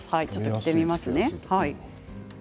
着てみますね。